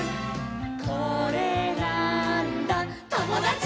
「これなーんだ『ともだち！』」